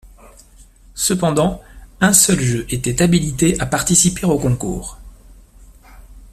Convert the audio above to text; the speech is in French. Cependant, un seul jeu était habilité à participer au concours.